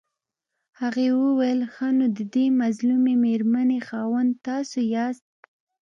هغې وويل ښه نو ددې مظلومې مېرمنې خاوند تاسو ياست.